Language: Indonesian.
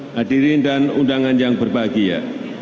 hadirin dan undangan yang berbahagia